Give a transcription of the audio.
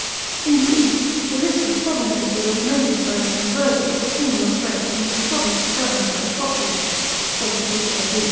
§ 13. In the east, the list of provinces was augmented by the "conversion of the kingdom of Thrace into a province governed by a procurator (46 A.